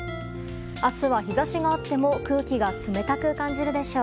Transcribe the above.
明日は日差しがあっても空気が冷たく感じるでしょう。